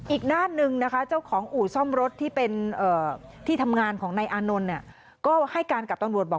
อีกด้านหนึ่งนะคะเจ้าของอู่ซ่อมรถที่เป็นที่ทำงานของนายอานนท์เนี่ยก็ให้การกับตำรวจบอก